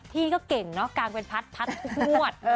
พี่ก็เก่งเนาะกางเป็นพัดพัดกวน